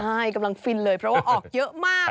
ใช่กำลังฟินเลยเพราะว่าออกเยอะมาก